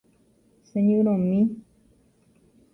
Cheñyrõmi.